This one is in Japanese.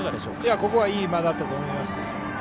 ここはいい間だったと思います。